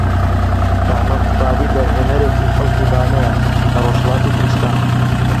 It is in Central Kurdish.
بەهمەن قوبادی دەرهێنەرێکی خەڵکی بانەیە لە رۆژهەڵاتی کوردوستان